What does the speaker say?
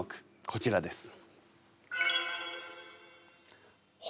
こちらです。